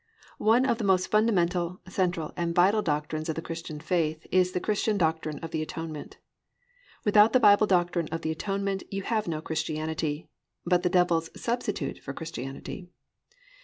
One of the most fundamental, central and vital doctrines of the Christian faith is the Christian doctrine of the Atonement. Without the Bible Doctrine of the Atonement you have no Christianity, but the Devil's substitute for Christianity.